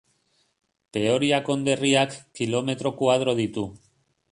Peoria konderriak kilometro koadro ditu.